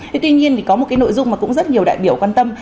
thế tuy nhiên thì có một cái nội dung mà cũng rất nhiều đại biểu quan tâm